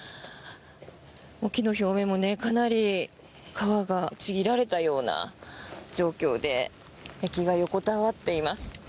木の表面も、かなり皮がちぎられたような状況で木が横たわっています。